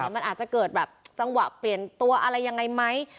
มันอาจจะเกิดแบบจังหวะเปลี่ยนตัวอะไรยังไงไหม